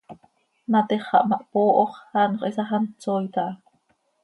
Matix xah ma hpooho x, anxö hiisax hant sooit aha.